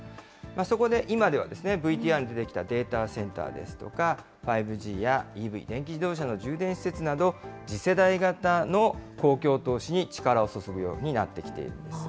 そこで今では、ＶＴＲに出てきたデータセンターですとか、５ＧやＥＶ・電気自動車の充電施設など、次世代型の公共投資に力を注ぐようになってきているんです。